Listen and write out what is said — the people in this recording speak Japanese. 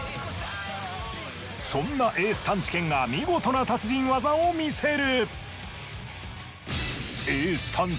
そんなエース探知犬が見事な達人技を見せる。